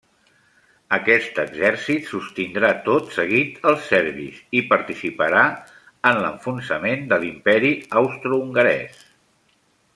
Aquest exèrcit sostindrà tot seguit els serbis i participarà en l'enfonsament de l'Imperi austrohongarès.